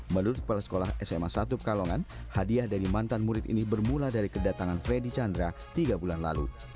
menurut kepala sekolah sma satu pekalongan hadiah dari mantan murid ini bermula dari kedatangan freddy chandra tiga bulan lalu